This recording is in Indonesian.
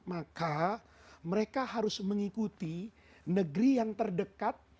maka mereka harus mengikuti negeri yang terdekat